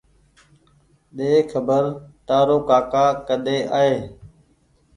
ۮي کبر تآرو ڪآڪآ ڪۮي آئي